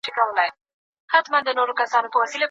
د ایميلي کوچنی زوی د هغې په غېږ کې دی.